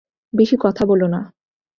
বেশি কথা বলো না।